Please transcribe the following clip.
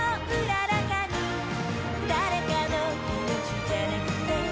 「誰かのいのちじゃなくて」